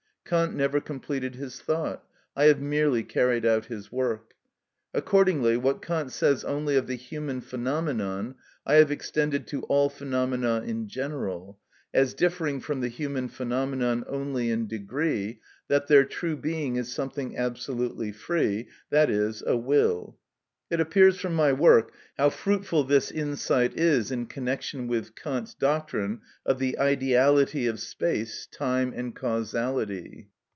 Kant never completed his thought; I have merely carried out his work. Accordingly, what Kant says only of the human phenomenon I have extended to all phenomena in general, as differing from the human phenomenon only in degree, that their true being is something absolutely free, i.e., a will. It appears from my work how fruitful this insight is in connection with Kant's doctrine of the ideality of space, time, and causality.